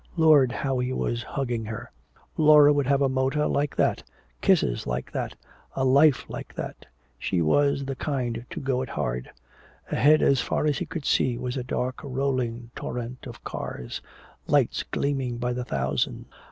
Lord, how he was hugging her! Laura would have a motor like that, kisses like that, a life like that! She was the kind to go it hard! Ahead as far as he could see was a dark rolling torrent of cars, lights gleaming by the thousand.